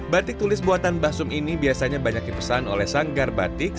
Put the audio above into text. batik tulis buatan mbah sum ini biasanya banyak dipesan oleh sanggar batik